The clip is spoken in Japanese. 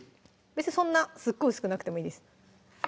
別にそんなすごい薄くなくてもいいです